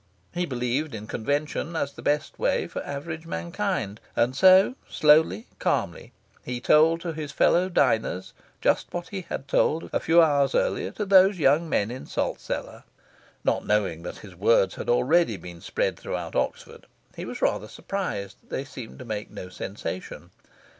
He believed in convention as the best way for average mankind. And so, slowly, calmly, he told to his fellow diners just what he had told a few hours earlier to those two young men in Salt Cellar. Not knowing that his words had already been spread throughout Oxford, he was rather surprised that they seemed to make no sensation.